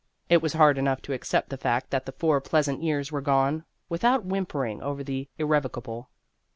It was hard enough to accept the fact that the four pleasant years were gone, without whimpering over the irrecoverable.